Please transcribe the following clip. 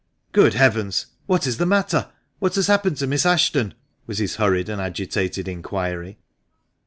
" Good heavens ! what is the matter ? What has happened to Miss Ashton?" was his hurried and agitated inquiry.